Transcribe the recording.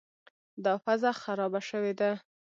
دا پزه خرابه شوې ده.